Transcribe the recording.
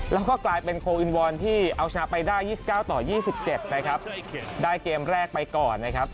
แล้วก็กลายเป็นโคลอินวอนที่เอาชนะไปได้๒๙ต่อ๒๗ได้เกมแรกไปก่อน